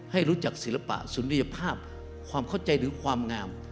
ให้รู้จักศิลปะสุนัยภาพความเข้าใจหรือความงาม